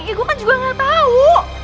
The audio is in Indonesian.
ya gue kan juga gak tau